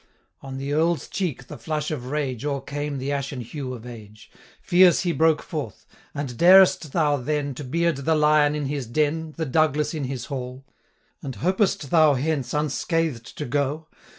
On the Earl's cheek the flush of rage O'ercame the ashen hue of age: 430 Fierce he broke forth, 'And darest thou then To beard the lion in his den, The Douglas in his hall? And hopest thou hence unscathed to go?